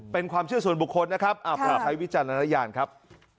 เป็นความเชื่อส่วนบุคคลนะครับโปรดใช้วิจารณญาณครับ